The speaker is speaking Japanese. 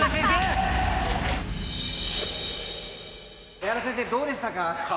江原先生どうでしたか？